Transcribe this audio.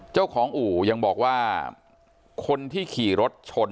เจ้าของอู่ยังบอกว่าคนที่ขี่รถชน